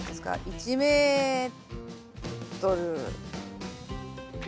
１メートル。